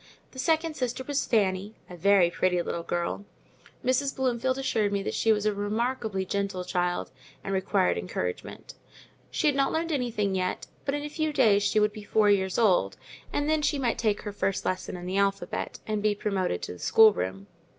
The second sister was Fanny, a very pretty little girl; Mrs. Bloomfield assured me she was a remarkably gentle child, and required encouragement: she had not learned anything yet; but in a few days, she would be four years old, and then she might take her first lesson in the alphabet, and be promoted to the schoolroom.